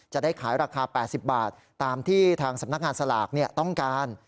จะได้ขายราคา๘๐บาทตามที่ทางสำนักงานสลากต้องการ